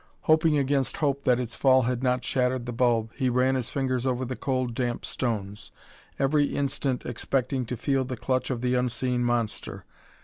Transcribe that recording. Hoping against hope that its fall had not shattered the bulb, he ran his fingers over the cold, damp stones, every instant expecting to feel the clutch of the unseen monster.